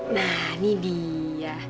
nah ini dia